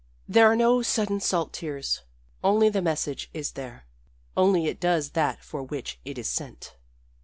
There are no sudden salt tears. Only the message is there only it does that for which it is sent.